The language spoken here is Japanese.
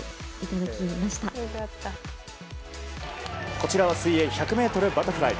こちらは水泳１００ｍバタフライ。